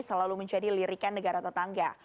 selalu menjadi lirikan negara tetangga